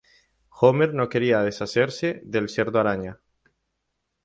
Homer no quería deshacerse del cerdo araña.